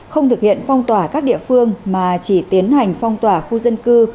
không thực hiện phong tỏa các địa phương mà chỉ tiến hành phong tỏa khu dân cư